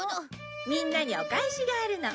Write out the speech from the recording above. みんなにお返しがあるの。